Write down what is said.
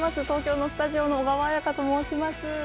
東京のスタジオの小川彩佳と申します。